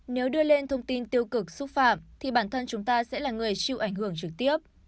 nếu đưa lên thông tin tiêu cực xúc phạm thì bản thân chúng ta sẽ là người chịu ảnh hưởng trực tiếp